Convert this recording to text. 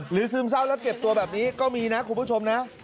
ซึมเศร้าแล้วเก็บตัวแบบนี้ก็มีนะคุณผู้ชมนะ